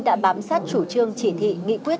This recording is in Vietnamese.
đã bám sát chủ trương chỉ thị nghị quyết